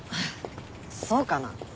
そうかな？